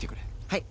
はい！